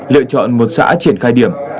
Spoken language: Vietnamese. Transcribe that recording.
lựa chọn một xã triển khai điểm